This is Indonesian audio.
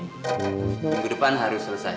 minggu depan harus selesai